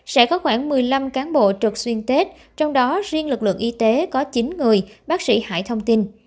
sẽ có khoảng một mươi năm cán bộ trực xuyên tết trong đó riêng lực lượng y tế có chín người bác sĩ hải thông tin